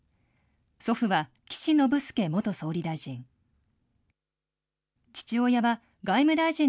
祖父は岸信介元総理大臣。